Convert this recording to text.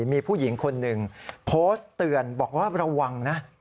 มีผู้หญิงคนหนึ่งโพสต์เตือนบอกว่าระวังนะ